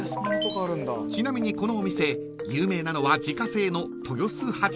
［ちなみにこのお店有名なのは自家製の豊洲はちみつ］